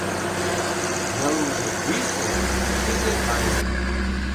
Йылмыже пӱсӧ — кӱзӧ гане.